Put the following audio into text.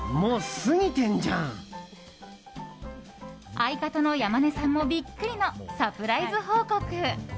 相方の山根さんもビックリのサプライズ報告！